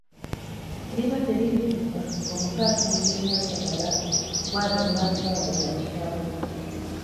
Liba teriri busa ng’omuko asanze Nnyazaala bw’atyo n’aswala bya kitalo.